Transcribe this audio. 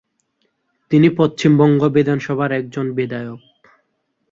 তিনি পশ্চিমবঙ্গ বিধানসভার একজন বিধায়ক।